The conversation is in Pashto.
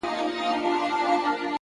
هره ناکامي د نوې تجربې ډالۍ ده؛